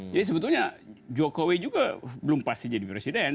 jadi sebetulnya jokowi juga belum pasti jadi presiden